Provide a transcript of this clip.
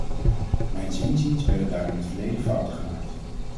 Mijns inziens werden daar in het verleden fouten gemaakt.